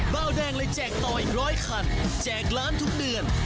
เบาแดงเลยแจกต่ออีกร้อยคันแจกล้านทุกเดือน